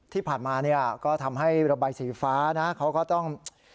ที่ผ่านมาเนี่ยก็ทำให้ระบายสีฟ้านะเขาก็ต้อง